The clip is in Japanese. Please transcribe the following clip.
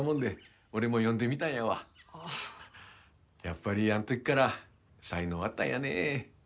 やっぱりあん時から才能あったんやね。